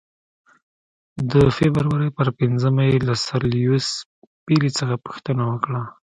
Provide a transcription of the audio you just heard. د فبرورۍ پر پنځمه یې له سر لیویس پیلي څخه پوښتنه وکړه.